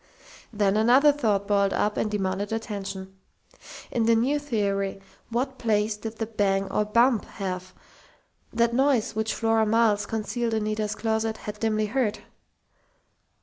Then another thought boiled up and demanded attention. In the new theory, what place did the "bang or bump" have that noise which Flora Miles, concealed in Nita's closet, had dimly heard?